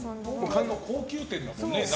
高級店だもんね。